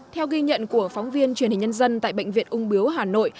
theo ghi nhận của phóng viên truyền hình nhân dân tại bệnh viện ung biếu hà nội